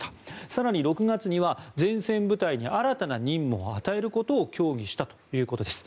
更に６月には前線部隊に新たな任務を与えることを協議したということです。